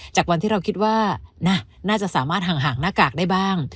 จากวันที่เราคิดว่าน่าจะสามารถห่างหน้ากากได้บ้าง